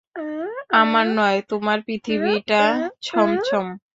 আমার নয়, তোমার পৃথিবীটা ছমছম।